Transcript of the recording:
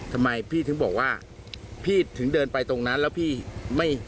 ทำไมพี่ถึงบอกว่าพี่ถึงเดินไปตรงนั้น